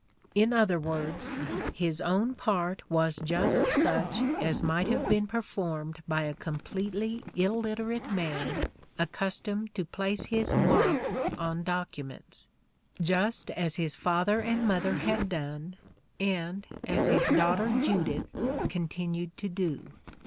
In other words his own part was just such as might have been performed by a completely illiterate man accustomed 52 " SHAKESPEARE " IDENTIFIED to place his " mark " on documents ; just as his father and mother had done, and as his daughter Judith continued to do.